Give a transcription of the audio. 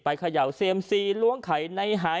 เขย่าเซียมซีล้วงไข่ในหาย